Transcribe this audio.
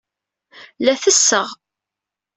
La tesseɣ.